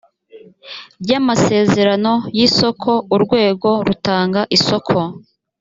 ry amasezerano y isoko urwego rutanga isoko